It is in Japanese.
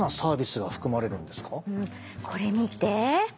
これ見て。